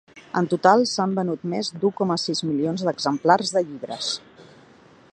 En total s’han venut més d’u coma sis milions d’exemplars de llibres.